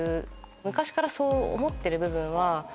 昔からそう思ってる部分はあった。